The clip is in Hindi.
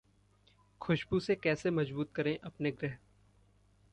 खुशबू से कैसे मजबूत करें अपने ग्रह